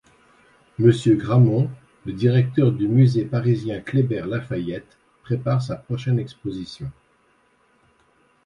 Monsieur Grammont, le directeur du musée parisien Kléber-Lafayette, prépare sa prochaine exposition.